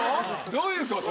どういうこと？